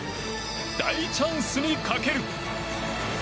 大チャンスにかける。